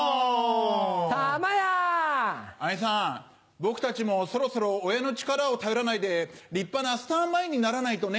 僕たちもそろそろ親の力を頼らないで立派なスターマインにならないとね。